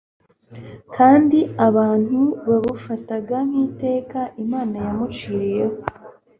kandi abantu babufataga nk’iteka Imana yamuciriyeho